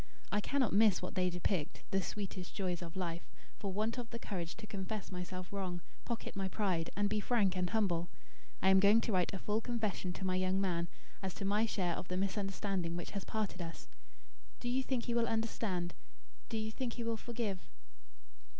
I cannot miss what they depict the sweetest joys of life for want of the courage to confess myself wrong; pocket my pride; and be frank and humble. I am going to write a full confession to my young man, as to my share of the misunderstanding which has parted us. Do you think he will understand? Do you think he will forgive?"